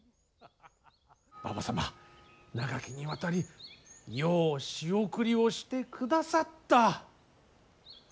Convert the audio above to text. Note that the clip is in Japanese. ばば様、長きにわたりよう仕送りをしてくださった。